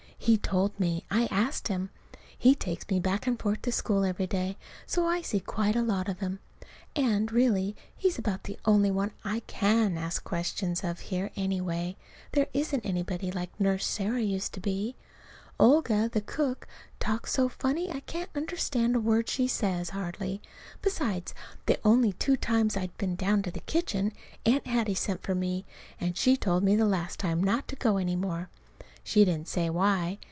He told me. I asked him. He takes me back and forth to school every day, so I see quite a lot of him. And, really, he's about the only one I can ask questions of here, anyway. There isn't anybody like Nurse Sarah used to be. Olga, the cook, talks so funny I can't understand a word she says, hardly. Besides, the only two times I've been down to the kitchen Aunt Hattie sent for me; and she told me the last time not to go any more. She didn't say why.